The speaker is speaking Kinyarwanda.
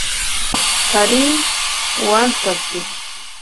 Hari uwansabye